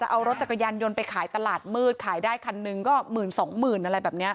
เอารถจักรยานยนต์ไปขายตลาดมืดขายได้คันหนึ่งก็หมื่นสองหมื่นอะไรแบบนี้